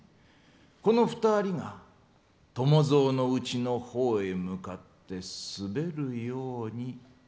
この２人が伴蔵のうちのほうへ向かって滑るように。